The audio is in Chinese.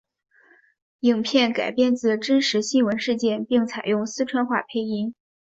影片改编自真实新闻事件并采用四川话配音。